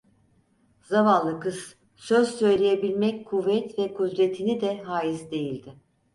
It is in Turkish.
Zavallı kız söz söyleyebilmek kuvvet ve kudretini de hâiz değildi.